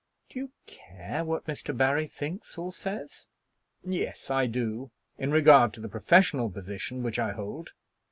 "Do you care what Mr. Barry thinks or says?" "Yes, I do, in regard to the professional position which I hold.